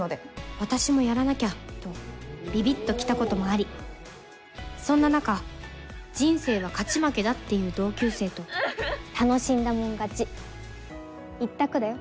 私もやらなきゃとビビっときたこともありそんな中人生は勝ち負けだっていう同級生と楽しんだもん勝ち一択だよ。